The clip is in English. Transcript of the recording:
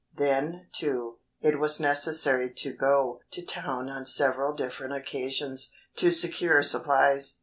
Then, too, it was necessary to go to town on several different occasions to secure supplies.